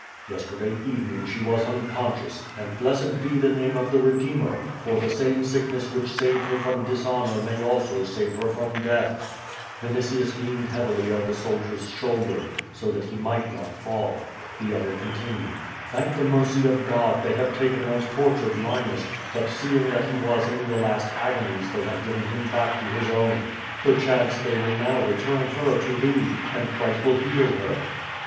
Yesiterday evening she was unconscious, and blessed be the name of the Redeemer, for the same sickness which saved her from dishonor may also save her from death.'' Mnitius leaned heavily on the soldier's shoulder, so that lie might not fall. The other continued: '*Thank the mercy of God, they have taken and tortured Linus, but, seeing tliat he was in the last agonies, they have given him back to his own. Perchance they will now return her to tliee, and Christ will heal her."